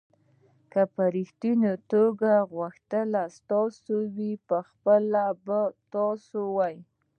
که په ریښتني توګه غوښتل ستاسو وي پخوا به ستاسو و.